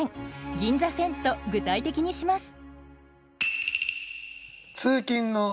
「銀座線」と具体的にします。